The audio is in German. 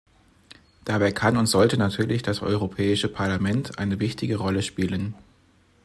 Dabei kann und sollte natürlich das Europäische Parlament eine wichtige Rolle spielen.